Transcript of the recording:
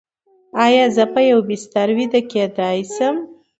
ایا زه په یوه بستر ویده کیدی شم؟